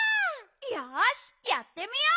よしやってみよう！